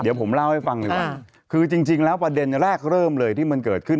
เดี๋ยวผมเล่าให้ฟังดีกว่าคือจริงแล้วประเด็นแรกเริ่มเลยที่มันเกิดขึ้น